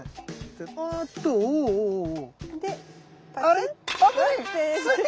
あれ？